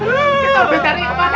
kita lebih dari kemana mana sobat